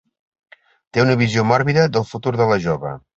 Té una visió mòrbida del futur de la jove.